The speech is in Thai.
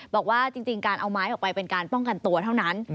บอกว่าจริงการเอาไม้ออกไปเป็นการป้องกันตัวเท่านั้น